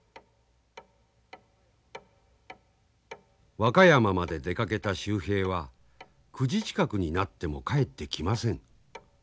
和歌山まで出かけた秀平は９時近くになっても帰ってきません。